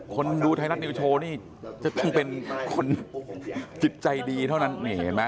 คนดูไทยรัฐนิวโชว์นี่จะต้องเป็นคนจิตใจดีเท่านั้นนี่เห็นไหม